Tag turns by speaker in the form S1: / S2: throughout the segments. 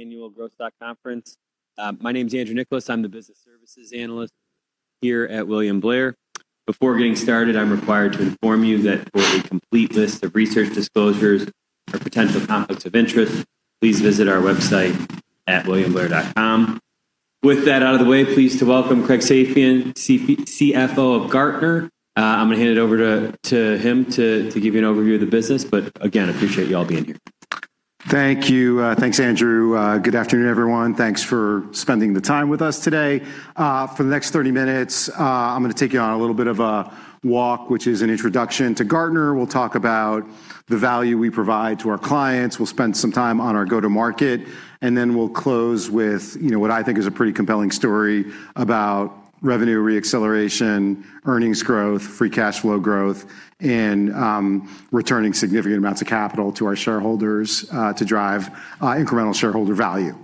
S1: Annual Growth Stock Conference. My name's Andrew Nicholas. I'm the business services analyst here at William Blair. Before getting started, I'm required to inform you that for a complete list of research disclosures or potential conflicts of interest, please visit our website at williamblair.com. With that out of the way, pleased to welcome Craig Safian, CFO of Gartner. I'm going to hand it over to him to give you an overview of the business. Again, appreciate you all being here.
S2: Thank you. Thanks, Andrew. Good afternoon, everyone. Thanks for spending the time with us today. For the next 30 minutes, I'm going to take you on a little bit of a walk, which is an introduction to Gartner. We'll talk about the value we provide to our clients. We'll spend some time on our go-to-market, and then we'll close with what I think is a pretty compelling story about revenue re-acceleration, earnings growth, free cash flow growth, and returning significant amounts of capital to our shareholders to drive incremental shareholder value.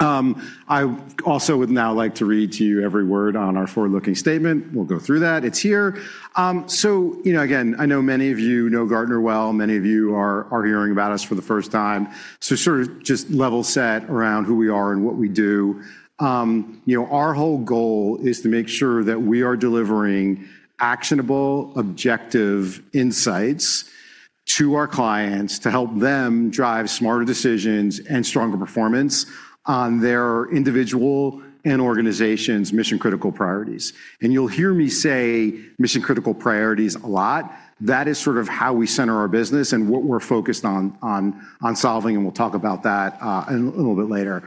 S2: I also would now like to read to you every word on our forward-looking statement. We'll go through that. It's here. Again, I know many of you know Gartner well, many of you are hearing about us for the first time. Sort of just level set around who we are and what we do. Our whole goal is to make sure that we are delivering actionable, objective insights to our clients to help them drive smarter decisions and stronger performance on their individual and organization's mission-critical priorities. You'll hear me say mission-critical priorities a lot. That is sort of how we center our business and what we're focused on solving, and we'll talk about that a little bit later.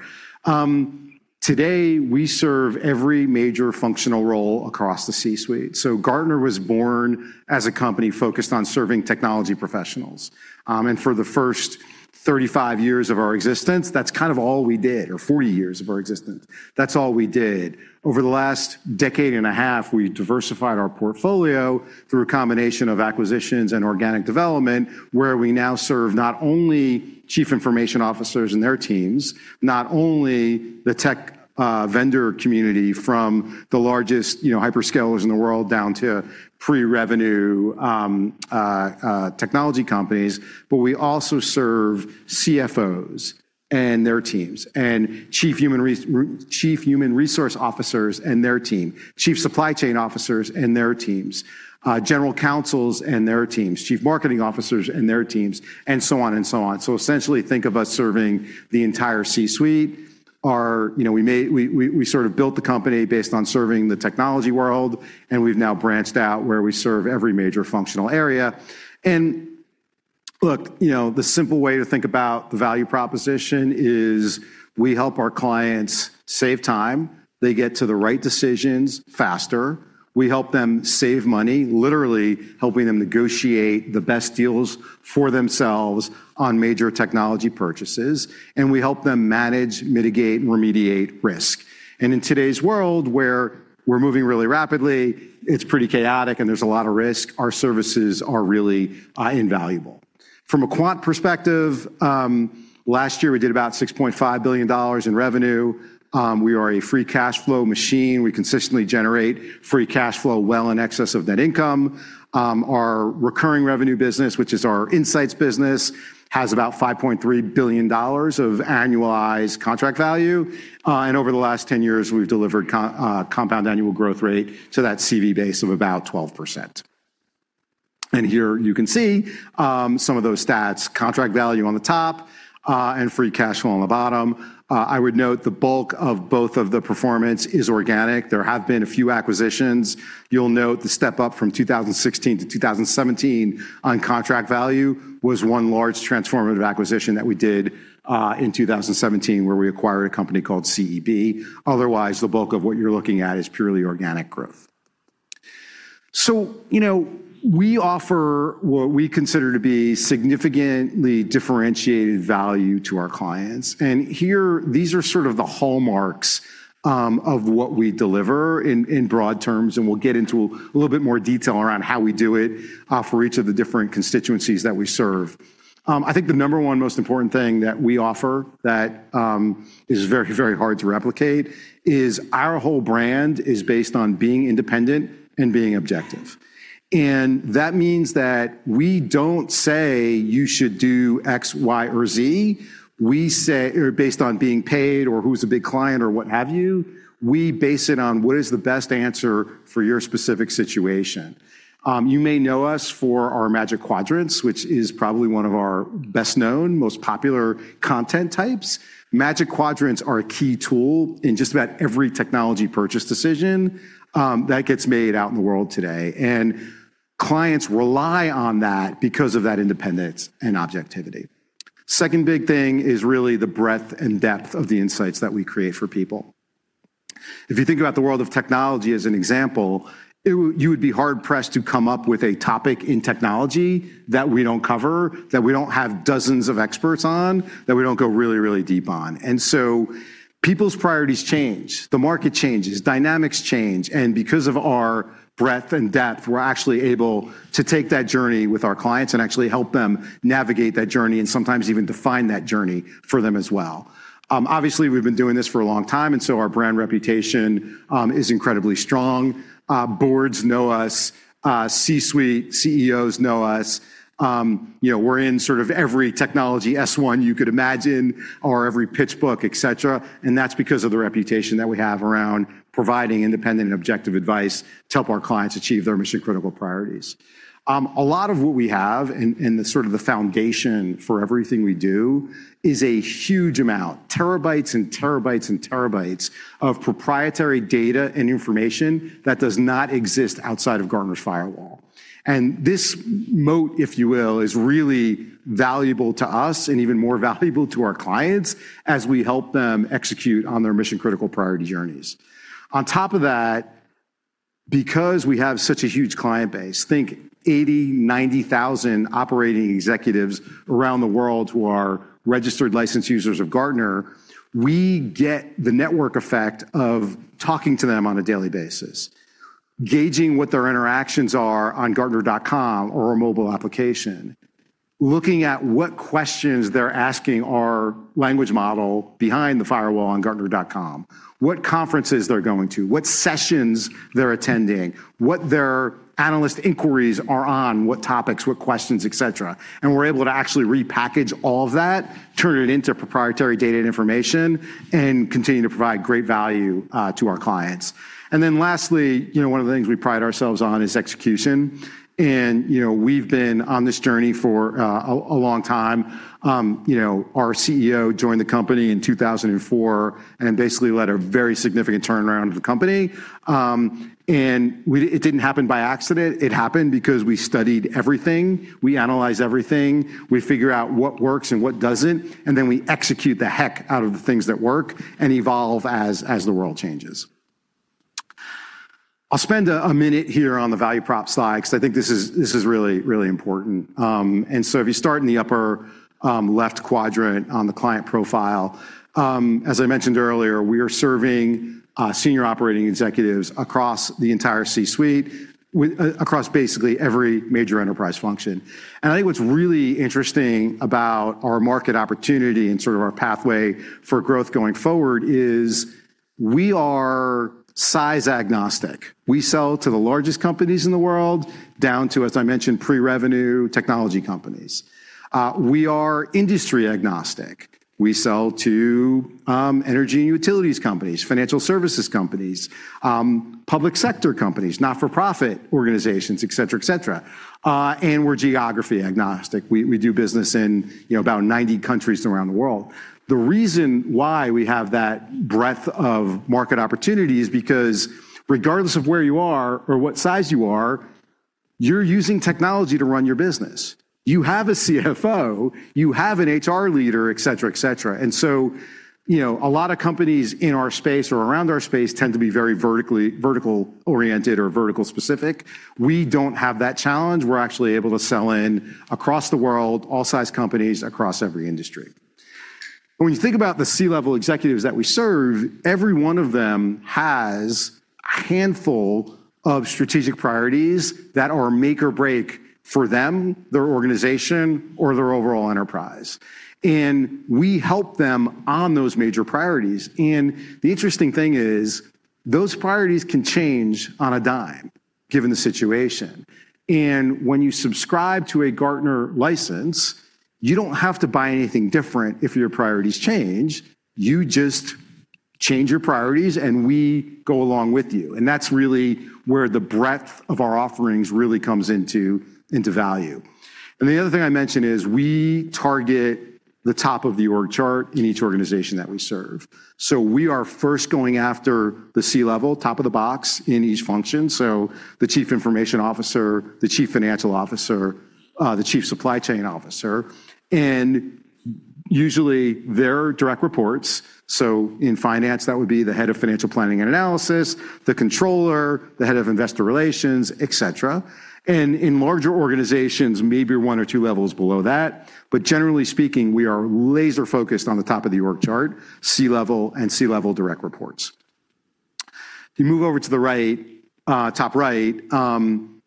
S2: Today, we serve every major functional role across the C-suite. Gartner was born as a company focused on serving technology professionals. For the first 35 years of our existence, that's kind of all we did, or 40 years of our existence. That's all we did. Over the last decade and a half, we diversified our portfolio through a combination of acquisitions and organic development, where we now serve not only chief information officers and their teams, not only the tech vendor community from the largest hyperscalers in the world down to pre-revenue technology companies, but we also serve CFOs and their teams, and chief human resource officers and their team, chief supply chain officers and their teams, general counsels and their teams, chief marketing officers and their teams, and so on. Essentially, think of us serving the entire C-suite. We sort of built the company based on serving the technology world, and we've now branched out where we serve every major functional area. Look, the simple way to think about the value proposition is we help our clients save time. They get to the right decisions faster. We help them save money, literally helping them negotiate the best deals for themselves on major technology purchases. We help them manage, mitigate, and remediate risk. In today's world, where we're moving really rapidly, it's pretty chaotic, and there's a lot of risk, our services are really invaluable. From a quant perspective, last year, we did about $6.5 billion in revenue. We are a free cash flow machine. We consistently generate free cash flow well in excess of net income. Our recurring revenue business, which is our insights business, has about $5.3 billion of annualized contract value. Over the last 10 years, we've delivered compound annual growth rate to that CV base of about 12%. Here you can see some of those stats, contract value on the top, and free cash flow on the bottom. I would note the bulk of both of the performance is organic. There have been a few acquisitions. You'll note the step-up from 2016 to 2017 on contract value was one large transformative acquisition that we did in 2017, where we acquired a company called CEB. Otherwise, the bulk of what you're looking at is purely organic growth. We offer what we consider to be significantly differentiated value to our clients. Here, these are sort of the hallmarks of what we deliver in broad terms, and we'll get into a little bit more detail around how we do it for each of the different constituencies that we serve. I think the number 1 most important thing that we offer that is very hard to replicate is our whole brand is based on being independent and being objective. That means that we don't say you should do X, Y, or Z based on being paid or who's a big client or what have you. We base it on what is the best answer for your specific situation. You may know us for our Magic Quadrants, which is probably one of our best-known, most popular content types. Magic Quadrants are a key tool in just about every technology purchase decision that gets made out in the world today, and clients rely on that because of that independence and objectivity. Second big thing is really the breadth and depth of the insights that we create for people. If you think about the world of technology as an example, you would be hard-pressed to come up with a topic in technology that we don't cover, that we don't have dozens of experts on, that we don't go really deep on. People's priorities change, the market changes, dynamics change, and because of our breadth and depth, we're actually able to take that journey with our clients and actually help them navigate that journey and sometimes even define that journey for them as well. Obviously, we've been doing this for a long time, and so our brand reputation is incredibly strong. Boards know us. C-suite, CEOs know us. We're in sort of every technology S-1 you could imagine or every pitch book, et cetera. That's because of the reputation that we have around providing independent and objective advice to help our clients achieve their mission-critical priorities. A lot of what we have and the foundation for everything we do is a huge amount, terabytes and terabytes of proprietary data and information that does not exist outside of Gartner's firewall. This moat, if you will, is really valuable to us and even more valuable to our clients as we help them execute on their mission-critical priority journeys. On top of that, because we have such a huge client base, think 80,000, 90,000 operating executives around the world who are registered licensed users of Gartner, we get the network effect of talking to them on a daily basis, gauging what their interactions are on gartner.com or our mobile application, looking at what questions they're asking our language model behind the firewall on gartner.com, what conferences they're going to, what sessions they're attending, what their analyst inquiries are on, what topics, what questions, et cetera. We're able to actually repackage all of that, turn it into proprietary data and information, and continue to provide great value to our clients. Lastly, one of the things we pride ourselves on is execution. We've been on this journey for a long time. Our CEO joined the company in 2004 and basically led a very significant turnaround of the company. It didn't happen by accident. It happened because we studied everything. We analyze everything. We figure out what works and what doesn't, and then we execute the heck out of the things that work and evolve as the world changes. I'll spend a minute here on the value prop slide, because I think this is really important. If you start in the upper left quadrant on the client profile, as I mentioned earlier, we are serving senior operating executives across the entire C-suite, across basically every major enterprise function. I think what's really interesting about our market opportunity and sort of our pathway for growth going forward is we are size-agnostic. We sell to the largest companies in the world down to, as I mentioned, pre-revenue technology companies. We are industry-agnostic. We sell to energy and utilities companies, financial services companies, public sector companies, not-for-profit organizations, et cetera. We're geography-agnostic. We do business in about 90 countries around the world. The reason why we have that breadth of market opportunity is because regardless of where you are or what size you are, you're using technology to run your business. You have a CFO, you have an HR leader, et cetera. A lot of companies in our space or around our space tend to be very vertical-oriented or vertical-specific. We don't have that challenge. We're actually able to sell in across the world, all size companies, across every industry. When you think about the C-level executives that we serve, every one of them has a handful of strategic priorities that are make or break for them, their organization, or their overall enterprise. We help them on those major priorities. The interesting thing is those priorities can change on a dime, given the situation. When you subscribe to a Gartner license, you don't have to buy anything different if your priorities change. You just change your priorities, and we go along with you. That's really where the breadth of our offerings really comes into value. The other thing I mentioned is we target the top of the org chart in each organization that we serve. We are first going after the C-level, top of the box in each function. The Chief Information Officer, the Chief Financial Officer, the Chief Supply Chain Officer, and usually their direct reports. In finance, that would be the Head of Financial Planning and Analysis, the Controller, the Head of Investor Relations, et cetera. In larger organizations, maybe one or two levels below that. Generally speaking, we are laser-focused on the top of the org chart, C-level and C-level direct reports. If you move over to the top right,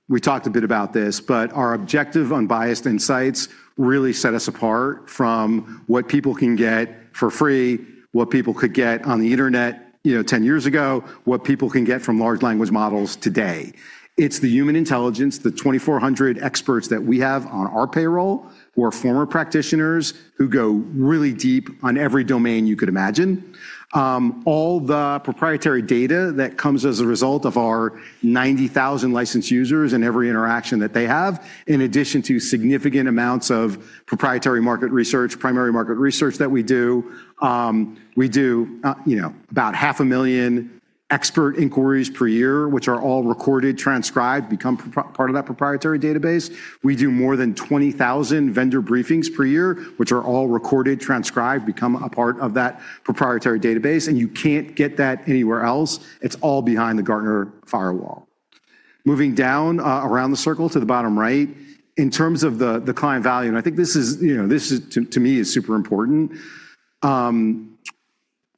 S2: we talked a bit about this. Our objective, unbiased insights really set us apart from what people can get for free, what people could get on the internet 10 years ago, what people can get from large language models today. It's the human intelligence, the 2,400 experts that we have on our payroll who are former practitioners who go really deep on every domain you could imagine. All the proprietary data that comes as a result of our 90,000 licensed users and every interaction that they have, in addition to significant amounts of proprietary market research, primary market research that we do. We do about half a million expert inquiries per year, which are all recorded, transcribed, become part of that proprietary database. We do more than 20,000 vendor briefings per year, which are all recorded, transcribed, become a part of that proprietary database, and you can't get that anywhere else. It's all behind the Gartner firewall. Moving down around the circle to the bottom right. In terms of the client value, I think this, to me, is super important.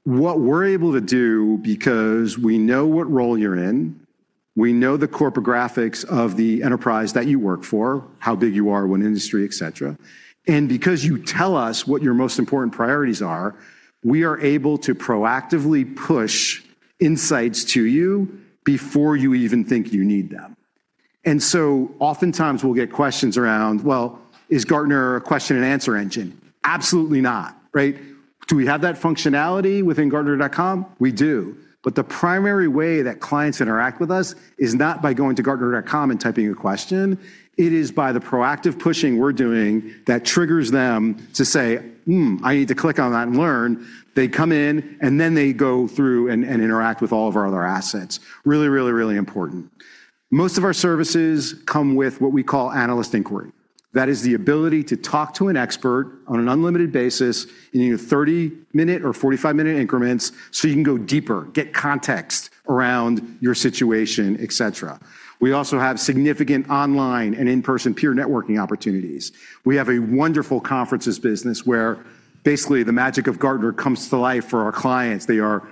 S2: What we're able to do, because we know what role you're in, we know the corpographics of the enterprise that you work for, how big you are, what industry, et cetera, because you tell us what your most important priorities are, we are able to proactively push insights to you before you even think you need them. Oftentimes we'll get questions around, well, is Gartner a question-and-answer engine? Absolutely not. Right? Do we have that functionality within gartner.com? We do. The primary way that clients interact with us is not by going to gartner.com and typing a question. It is by the proactive pushing we're doing that triggers them to say, "Hmm, I need to click on that and learn." They come in, and then they go through and interact with all of our other assets. Really, really, really important. Most of our services come with what we call analyst inquiry. That is the ability to talk to an expert on an unlimited basis in either 30-minute or 45-minute increments, so you can go deeper, get context around your situation, et cetera. We also have significant online and in-person peer networking opportunities. We have a wonderful Conferences business where basically the magic of Gartner comes to life for our clients. They are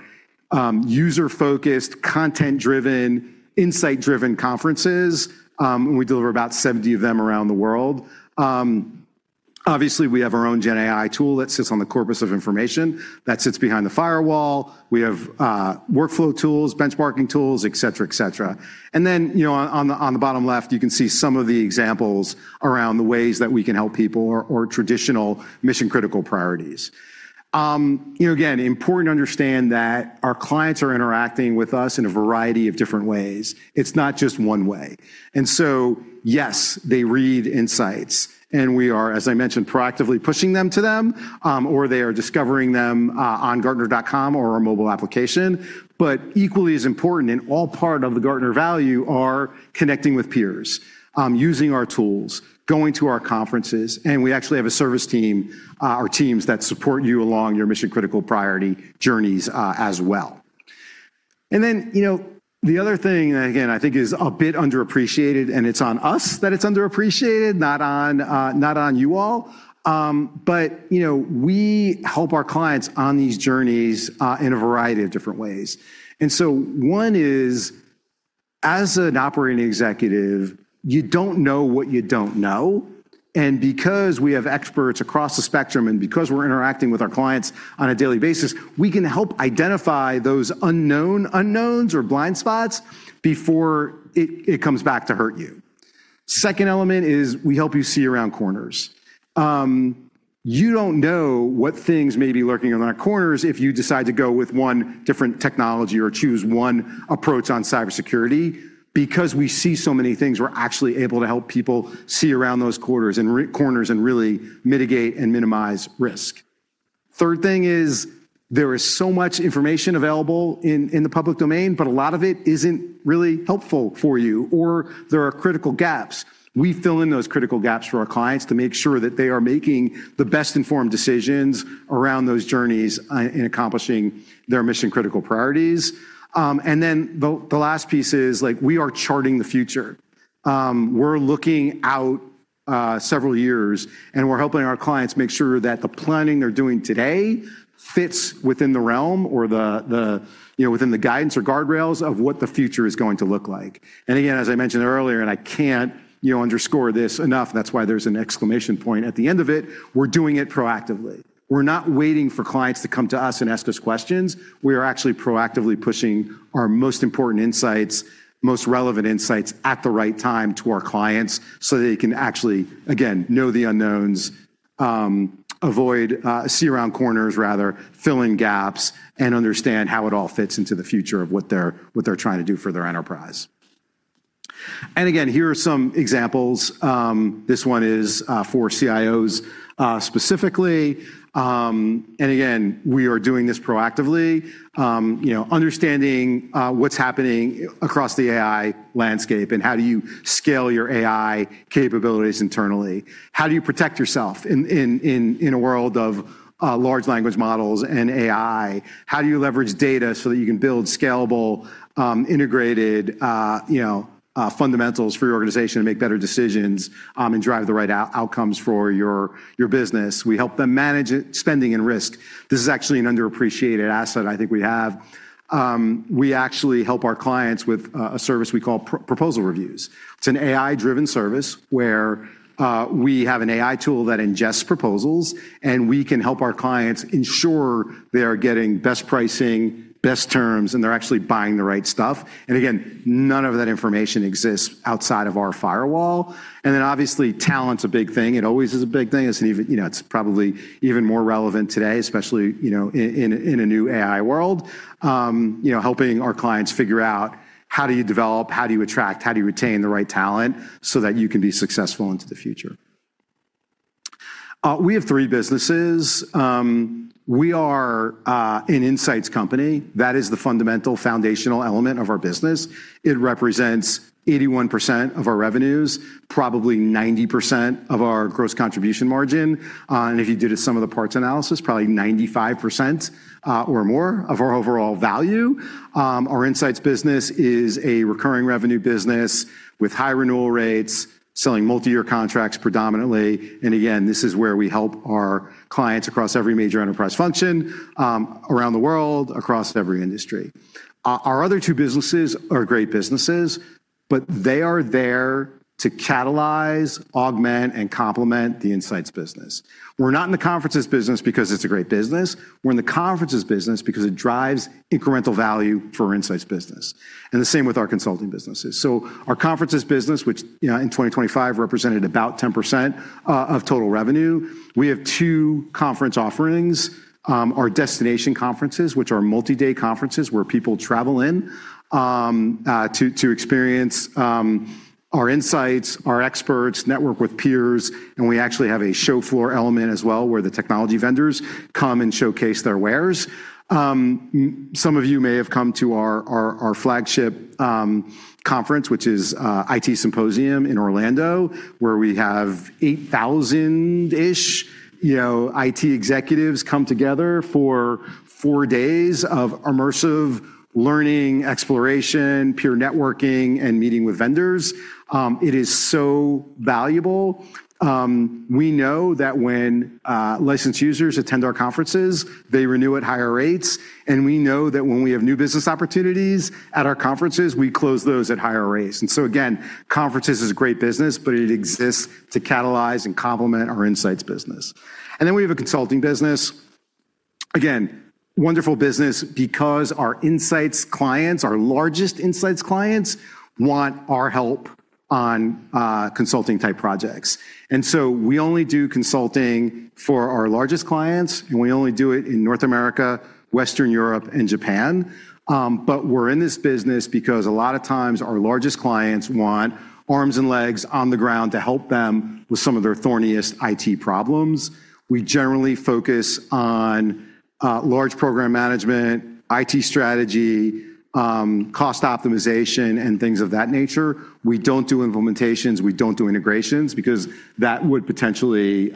S2: user-focused, content-driven, insight-driven conferences, and we deliver about 70 of them around the world. Obviously, we have our own gen AI tool that sits on the corpus of information, that sits behind the firewall. We have workflow tools, benchmarking tools, et cetera. On the bottom left, you can see some of the examples around the ways that we can help people or traditional mission-critical priorities. Again, important to understand that our clients are interacting with us in a variety of different ways. It's not just one way. Yes, they read insights, and we are, as I mentioned, proactively pushing them to them, or they are discovering them on gartner.com or our mobile application. Equally as important and all part of the Gartner value are connecting with peers, using our tools, going to our conferences, and we actually have a service team or teams that support you along your mission-critical priority journeys as well. The other thing, again, I think is a bit underappreciated, and it's on us that it's underappreciated, not on you all. We help our clients on these journeys in a variety of different ways. One is, as an operating executive, you don't know what you don't know, and because we have experts across the spectrum, and because we're interacting with our clients on a daily basis, we can help identify those unknown unknowns or blind spots before it comes back to hurt you. Second element is we help you see around corners. You don't know what things may be lurking around corners if you decide to go with one different technology or choose one approach on cybersecurity. We see so many things, we're actually able to help people see around those corners and really mitigate and minimize risk. Third thing is there is so much information available in the public domain, but a lot of it isn't really helpful for you, or there are critical gaps. We fill in those critical gaps for our clients to make sure that they are making the best-informed decisions around those journeys in accomplishing their mission-critical priorities. The last piece is we are charting the future. We're looking out several years, and we're helping our clients make sure that the planning they're doing today fits within the realm or within the guidance or guardrails of what the future is going to look like. As I mentioned earlier, and I can't underscore this enough, that's why there's an exclamation point at the end of it, we're doing it proactively. We're not waiting for clients to come to us and ask us questions. We are actually proactively pushing our most important insights, most relevant insights at the right time to our clients so they can actually, again, know the unknowns, see around corners, rather, fill in gaps, and understand how it all fits into the future of what they're trying to do for their enterprise. Again, here are some examples. This one is for CIOs, specifically. Again, we are doing this proactively. Understanding what's happening across the AI landscape and how do you scale your AI capabilities internally. How do you protect yourself in a world of large language models and AI? How do you leverage data so that you can build scalable, integrated fundamentals for your organization to make better decisions and drive the right outcomes for your business? We help them manage spending and risk. This is actually an underappreciated asset I think we have. We actually help our clients with a service we call proposal reviews. It's an AI-driven service where we have an AI tool that ingests proposals. We can help our clients ensure they are getting best pricing, best terms, and they're actually buying the right stuff. Again, none of that information exists outside of our firewall. Obviously, talent's a big thing. It always is a big thing. It's probably even more relevant today, especially in a new AI world. Helping our clients figure out how do you develop, how do you attract, how do you retain the right talent so that you can be successful into the future? We have three businesses. We are an insights company. That is the fundamental foundational element of our business. It represents 81% of our revenues, probably 90% of our gross contribution margin. If you did a sum of the parts analysis, probably 95% or more of our overall value. Our Insights business is a recurring revenue business with high renewal rates, selling multi-year contracts predominantly. Again, this is where we help our clients across every major enterprise function around the world, across every industry. Our other two businesses are great businesses. But they are there to catalyze, augment, and complement the Insights business. We're not in the Conferences business because it's a great business. We're in the Conferences business because it drives incremental value for our Insights business, and the same with our Consulting businesses. Our Conferences business, which in 2025 represented about 10% of total revenue, we have two conference offerings. Our destination Conferences, which are multi-day conferences where people travel in to experience our insights, our experts, network with peers, we actually have a show floor element as well where the technology vendors come and showcase their wares. Some of you may have come to our flagship conference, which is IT Symposium in Orlando, where we have 8,000-ish IT executives come together for four days of immersive learning, exploration, peer networking, and meeting with vendors. It is so valuable. We know that when licensed users attend our conferences, they renew at higher rates. We know that when we have new business opportunities at our conferences, we close those at higher rates. Again, Conferences is a great business, but it exists to catalyze and complement our insights business. We have a Consulting business. Again, wonderful business because our Insights clients, our largest Insights clients, want our help on Consulting-type projects. We only do Consulting for our largest clients, and we only do it in North America, Western Europe, and Japan. We're in this business because a lot of times, our largest clients want arms and legs on the ground to help them with some of their thorniest IT problems. We generally focus on large program management, IT strategy, cost optimization, and things of that nature. We don't do implementations. We don't do integrations because that would potentially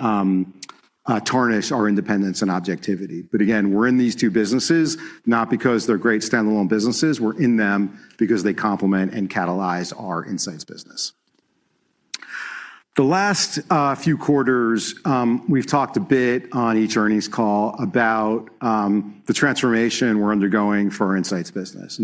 S2: tarnish our independence and objectivity. Again, we're in these two businesses not because they're great standalone businesses. We're in them because they complement and catalyze our Insights business. The last few quarters, we've talked a bit on each earnings call about the transformation we're undergoing for our Insights business.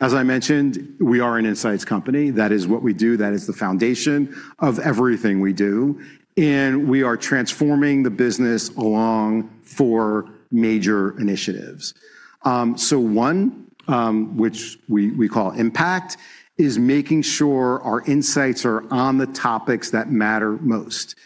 S2: As I mentioned, we are an insights company. That is what we do. That is the foundation of everything we do. We are transforming the business along four major initiatives. One, which we call impact, is making sure our insights are on the topics that matter most.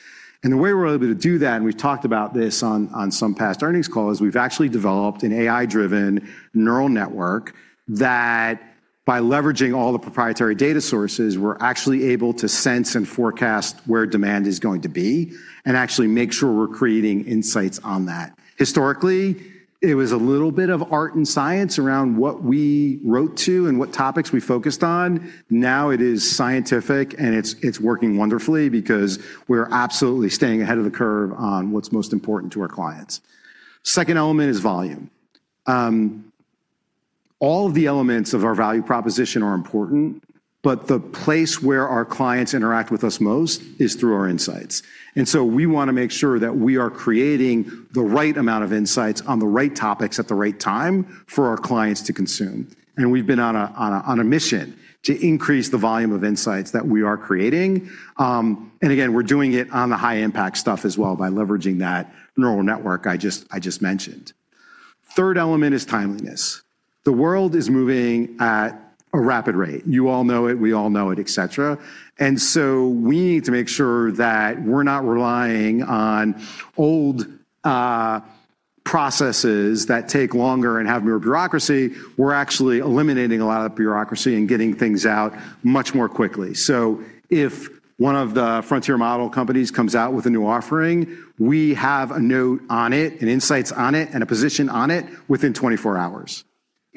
S2: The way we're able to do that, and we've talked about this on some past earnings calls, we've actually developed an AI-driven neural network that by leveraging all the proprietary data sources, we're actually able to sense and forecast where demand is going to be and actually make sure we're creating insights on that. Historically, it was a little bit of art and science around what we wrote to and what topics we focused on. Now it is scientific and it's working wonderfully because we're absolutely staying ahead of the curve on what's most important to our clients. Second element is volume. All of the elements of our value proposition are important, but the place where our clients interact with us most is through our insights. We want to make sure that we are creating the right amount of insights on the right topics at the right time for our clients to consume. We've been on a mission to increase the volume of insights that we are creating. Again, we're doing it on the high-impact stuff as well by leveraging that neural network I just mentioned. Third element is timeliness. The world is moving at a rapid rate. You all know it, we all know it, et cetera. We need to make sure that we're not relying on old processes that take longer and have more bureaucracy. We're actually eliminating a lot of bureaucracy and getting things out much more quickly. If one of the frontier model companies comes out with a new offering, we have a note on it, an insights on it, and a position on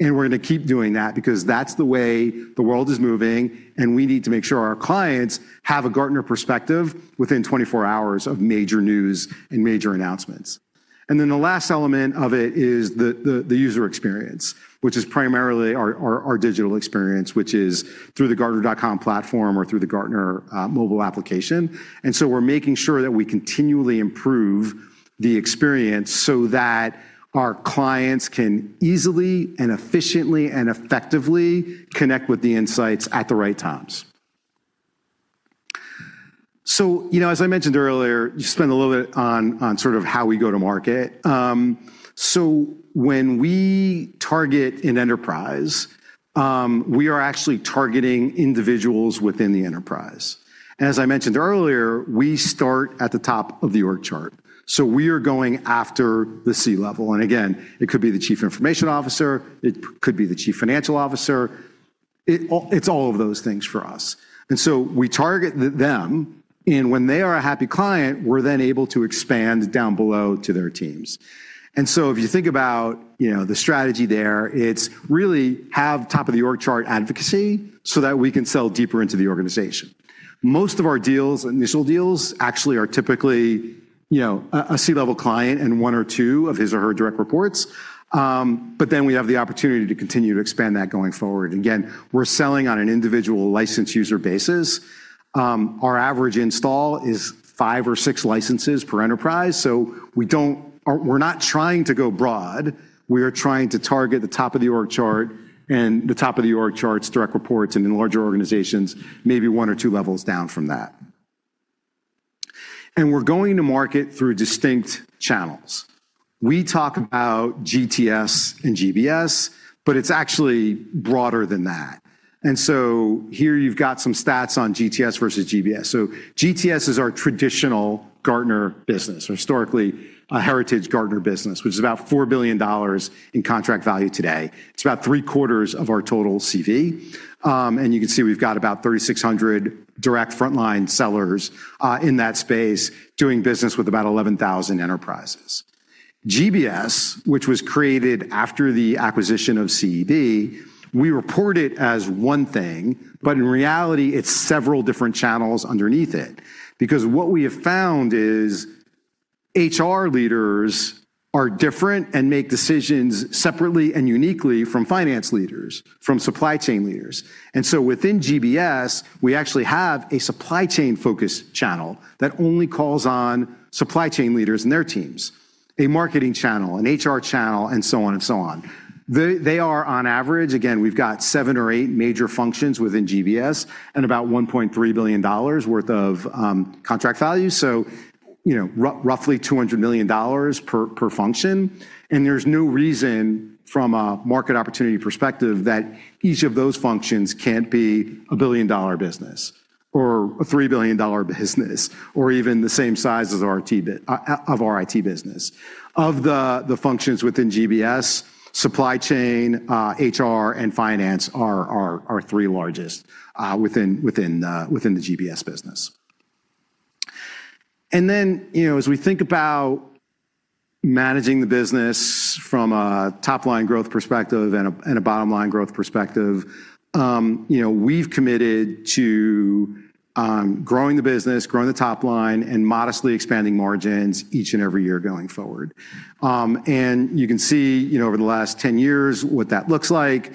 S2: it within 24 hours. We're going to keep doing that because that's the way the world is moving, and we need to make sure our clients have a Gartner perspective within 24 hours of major news and major announcements. The last element of it is the user experience, which is primarily our digital experience, which is through the gartner.com platform or through the Gartner mobile application. We're making sure that we continually improve the experience so that our clients can easily and efficiently and effectively connect with the insights at the right times. As I mentioned earlier, just spend a little bit on sort of how we go to market. When we target an enterprise, we are actually targeting individuals within the enterprise. As I mentioned earlier, we start at the top of the org chart. We are going after the C-level. Again, it could be the Chief Information Officer. It could be the Chief Financial Officer. It's all of those things for us. We target them, and when they are a happy client, we're then able to expand down below to their teams. If you think about the strategy there, it's really have top-of-the-org-chart advocacy so that we can sell deeper into the organization. Most of our deals, initial deals, actually are typically a C-level client and one or two of his or her direct reports. We have the opportunity to continue to expand that going forward. Again, we're selling on an individual licensed user basis. Our average install is 5 or 6 licenses per enterprise. We're not trying to go broad. We are trying to target the top of the org chart and the top of the org chart's direct reports, and in larger organizations, maybe one or two levels down from that. We're going to market through distinct channels. We talk about GTS and GBS, but it's actually broader than that. Here you've got some stats on GTS versus GBS. GTS is our traditional Gartner business, or historically, a heritage Gartner business, which is about $4 billion in contract value today. It's about three-quarters of our total CV. You can see we've got about 3,600 direct frontline sellers in that space, doing business with about 11,000 enterprises. GBS, which was created after the acquisition of CEB, we report it as one thing, but in reality, it's several different channels underneath it. What we have found is HR leaders are different and make decisions separately and uniquely from finance leaders, from supply chain leaders. Within GBS, we actually have a supply chain focus channel that only calls on supply chain leaders and their teams, a marketing channel, an HR channel, and so on. They are on average, again, we've got seven or eight major functions within GBS and about $1.3 billion worth of contract value. Roughly $200 million per function. There's no reason from a market opportunity perspective that each of those functions can't be a billion-dollar business or a $3 billion business, or even the same size of our IT business. Of the functions within GBS, supply chain, HR, and finance are our three largest within the GBS business. As we think about managing the business from a top-line growth perspective and a bottom-line growth perspective, we've committed to growing the business, growing the top line, and modestly expanding margins each and every year going forward. You can see over the last 10 years what that looks like,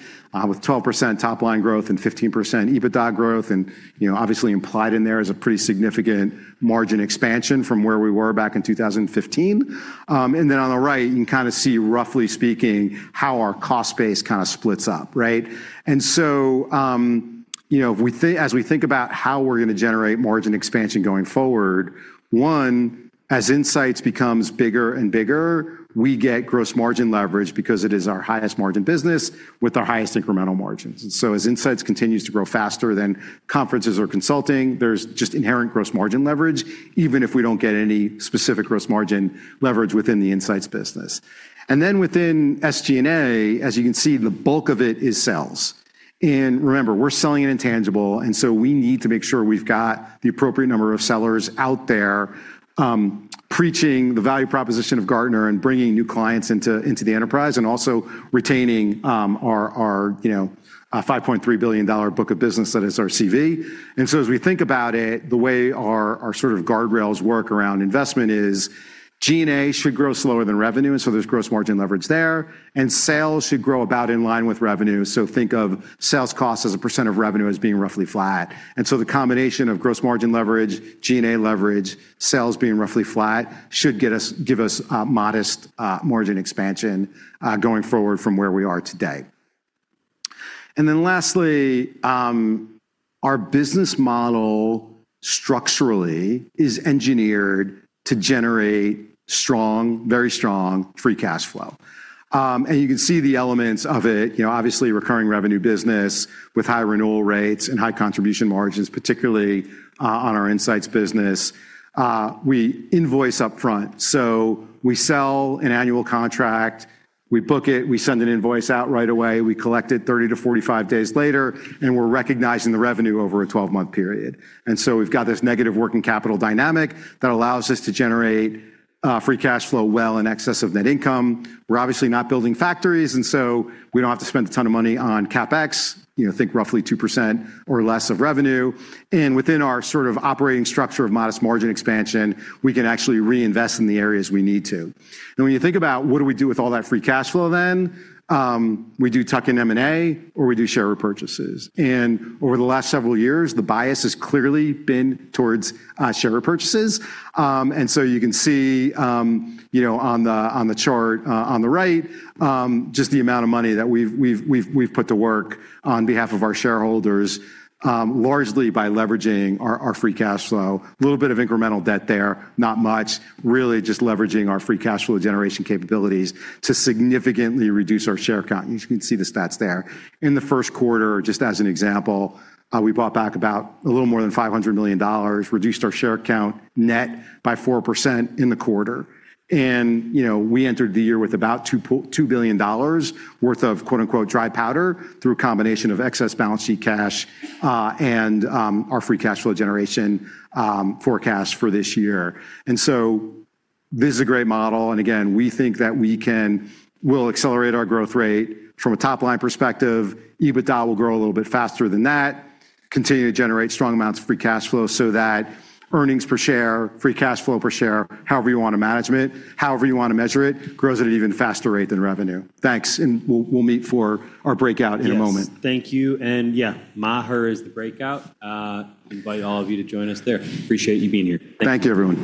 S2: with 12% top-line growth and 15% EBITDA growth, and obviously implied in there is a pretty significant margin expansion from where we were back in 2015. On the right, you can see roughly speaking, how our cost base splits up. Right? As we think about how we're going to generate margin expansion going forward, one, as Insights becomes bigger and bigger, we get gross margin leverage because it is our highest margin business with our highest incremental margins. As Insights continues to grow faster than Conferences or Consulting, there's just inherent gross margin leverage, even if we don't get any specific gross margin leverage within the Insights business. Within SG&A, as you can see, the bulk of it is sales. Remember, we're selling an intangible, so we need to make sure we've got the appropriate number of sellers out there preaching the value proposition of Gartner and bringing new clients into the enterprise and also retaining our $5.3 billion book of business that is our CV. As we think about it, the way our guardrails work around investment is G&A should grow slower than revenue, and so there's gross margin leverage there, and sales should grow about in line with revenue. Think of sales cost as a percent of revenue as being roughly flat. The combination of gross margin leverage, G&A leverage, sales being roughly flat, should give us a modest margin expansion going forward from where we are today. Lastly, our business model structurally is engineered to generate very strong free cash flow. You can see the elements of it, obviously recurring revenue business with high renewal rates and high contribution margins, particularly on our Insights business. We invoice upfront. We sell an annual contract, we book it, we send an invoice out right away, we collect it 30-45 days later, and we're recognizing the revenue over a 12-month period. We've got this negative working capital dynamic that allows us to generate free cash flow well in excess of net income. We're obviously not building factories, and so we don't have to spend a ton of money on CapEx, think roughly 2% or less of revenue. Within our operating structure of modest margin expansion, we can actually reinvest in the areas we need to. When you think about what do we do with all that free cash flow then, we do tuck-in M&A or we do share repurchases. Over the last several years, the bias has clearly been towards share repurchases. You can see on the chart on the right, just the amount of money that we've put to work on behalf of our shareholders, largely by leveraging our free cash flow. A little bit of incremental debt there, not much, really just leveraging our free cash flow generation capabilities to significantly reduce our share count. You can see the stats there. In the first quarter, just as an example, we bought back about a little more than $500 million, reduced our share count net by 4% in the quarter. We entered the year with about $2 billion worth of "dry powder" through a combination of excess balance sheet cash, and our free cash flow generation forecast for this year. This is a great model. Again, we think that we'll accelerate our growth rate from a top-line perspective. EBITDA will grow a little bit faster than that, continue to generate strong amounts of free cash flow so that earnings per share, free cash flow per share, however you want to manage it, however you want to measure it, grows at an even faster rate than revenue. Thanks, we'll meet for our breakout in a moment.
S1: Yes. Thank you, and yeah, Maher is the breakout. Invite all of you to join us there. Appreciate you being here.
S2: Thank you, everyone.